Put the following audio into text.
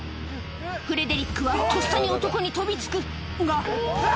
フレデリックはとっさに男に飛びつくがうわ！